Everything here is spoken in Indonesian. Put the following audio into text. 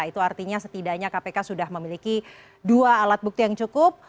itu artinya setidaknya kpk sudah memiliki dua alat bukti yang cukup